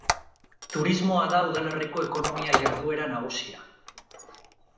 Turismoa da udalerriko ekonomia jarduera nagusia.